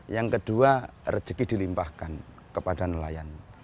yang kedua rezeki dilimpahkan kepada nelayan